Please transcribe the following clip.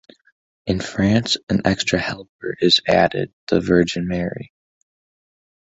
In France an extra "helper" is added: the Virgin Mary.